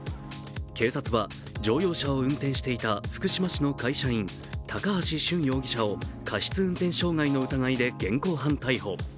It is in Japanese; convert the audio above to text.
警察は乗用車を運転していた福島市の会社員、高橋俊容疑者を過失運転傷害の疑いで現行犯逮捕。